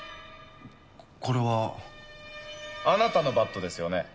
これは。あなたのバットですよね？